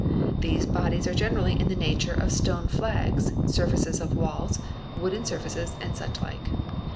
[hese bodies are generally in the nature of stone flags, surfaces of walls, jooden surfaces, and such like.